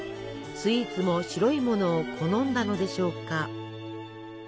スイーツも白いものを好んだのでしょうか？